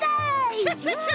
クシャシャシャ！